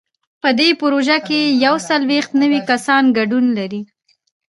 په دې پروژه کې یو څلوېښت نوي کسان ګډون لري.